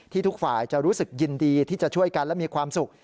ทุกฝ่ายจะรู้สึกยินดีที่จะช่วยกันและมีความสุข